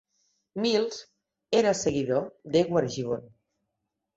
Mills era seguidor d'Edward Gibbon.